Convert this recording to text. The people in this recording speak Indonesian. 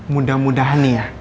mudah mudahan nih ya